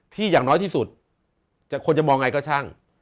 อย่างน้อยที่สุดคนจะมองไงก็ช่าง